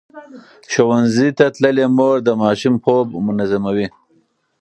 ښوونځې تللې مور د ماشوم خوب منظموي.